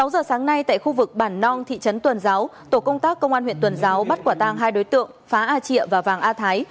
sáu giờ sáng nay tại khu vực bản nong thị trấn tuần giáo tổ công tác công an huyện tuần giáo bắt quả tang hai đối tượng phá a triệu và vàng a thái